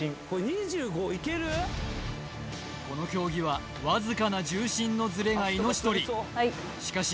この競技はわずかな重心のずれが命取りしかし